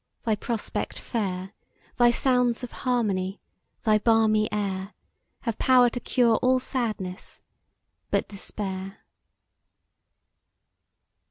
thy prospect fair, Thy sounds of harmony, thy balmy air, Have power to cure all sadness but despair.